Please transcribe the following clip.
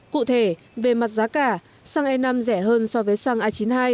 cụ thể về mặt giá cả xăng e năm rẻ hơn so với xăng a chín mươi hai